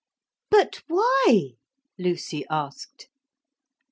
'But why?' Lucy asked.